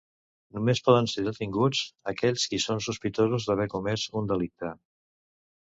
Només poden ser detinguts aquells qui són sospitosos d’haver comès un delicte.